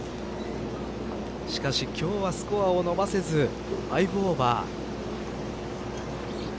しかし、今日はスコアを伸ばせず５オーバー。